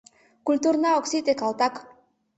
Культурна ок сите, калтак!